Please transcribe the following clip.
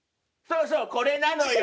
そうそうこれなのよ。